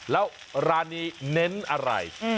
แล้วร้านนี้เน้นอะไร